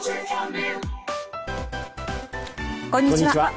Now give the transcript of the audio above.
こんにちは。